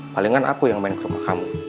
palingan aku yang main kerumah kamu